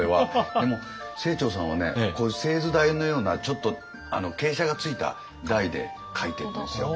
でも清張さんはねこういう製図台のようなちょっと傾斜がついた台で書いてるんですよ。